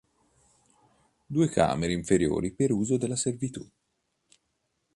Due camere inferiori per uso della servitù.